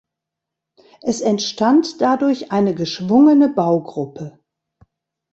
Es entstand dadurch eine geschwungene Baugruppe.